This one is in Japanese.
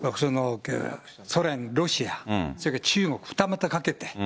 ソ連、ロシア、それから中国、二股かけて。